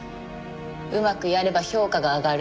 うまくやれば評価が上がる。